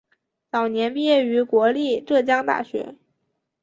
早年毕业于国立浙江大学。